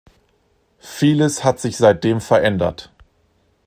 Vieles hat sich seitdem verändert.